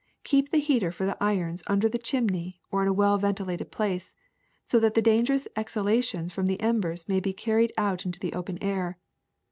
Keep the heater for the irons under the chimney or in a well ventilated place, so that the dangerous exhalations from the embers may be car ried out into the open air.